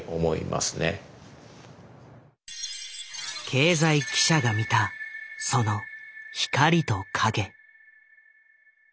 経済記者が見たその光と影。